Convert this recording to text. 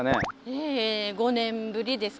え５年ぶりですか？